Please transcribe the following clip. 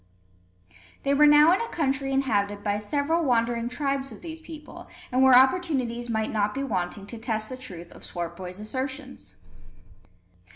They were now in a country inhabited by several wandering tribes of these people, and where opportunities might not be wanting to test the truth of Swartboy's assertions.